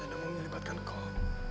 saya tidak mau melibatkan kau